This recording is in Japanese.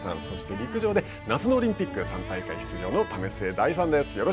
そして陸上で夏のオリンピック３大会出場の為末大さんです。